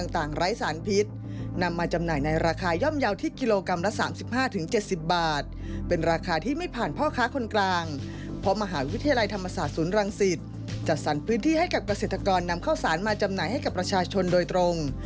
ที่ให้กับเกษตรกรนำข้าวสารมาจำหน่ายให้กับประชาชนโดยตรง